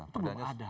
itu belum ada